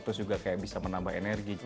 terus juga kayak bisa menambah energi